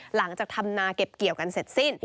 หลังจากทำนาเก็บเกี่ยวกันเสร็จสิ้น